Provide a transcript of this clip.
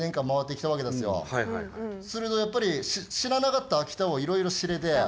するとやっぱり知らなかった秋田をいろいろ知れて。